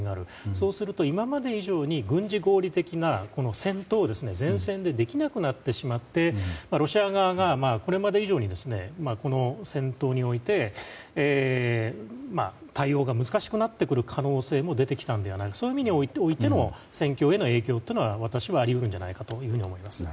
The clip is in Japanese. そうすると、今まで以上に軍事合理的な戦闘を前線でできなくなってしまってロシア側が、これまで以上にこの戦闘において対応が難しくなってくる可能性も出てきたのではないかそういう意味での戦況への影響は私は、あり得るんじゃないかと思います。